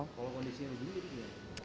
kalau kondisinya begini